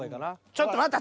ちょっと待った。